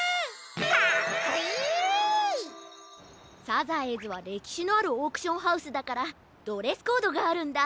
サザエーズはれきしのあるオークションハウスだからドレスコードがあるんだ。